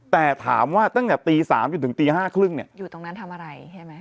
แต่ถามว่าตั้งแต่ตี๓จนถึงตี๕๓๐เนี่ยอยู่ตรงนั้นทำอะไรใช่ไหม